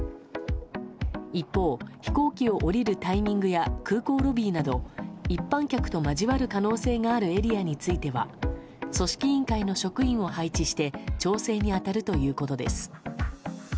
一方、飛行機を降りるタイミングや空港ロビーなど一般客と交わる可能性があるエリアについては組織委員会の職員を配置して調整に当たるということです。